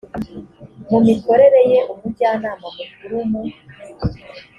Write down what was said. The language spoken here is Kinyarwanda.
mu mikorere ye umujyanama mukuru mu